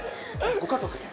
ご家族で？